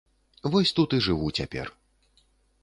Вось тут і жыву цяпер.